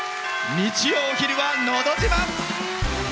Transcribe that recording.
日曜お昼は「のど自慢」。